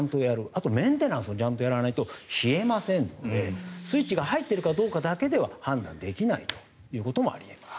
あとはメンテナンスをちゃんとやらないと冷えませんのでスイッチが入っているかどうかだけでは判断できないということもあり得ます。